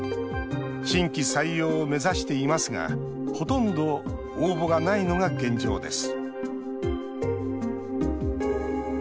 新規採用を目指していますがほとんど応募がないのが現状です